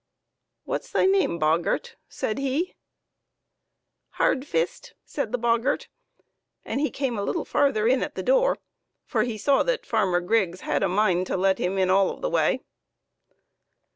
" What's thy name, boggart ?" said he. FARMER GRIGGS'S BOGGART. 79 " Hardfist," said the boggart ; and he came a little farther in at the door, for he saw that Farmer Griggs had a mind to let him in all of the way.